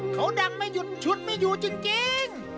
เขาดังไม่หยุดชุดไม่อยู่จริง